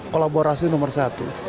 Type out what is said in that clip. kolaborasi nomor satu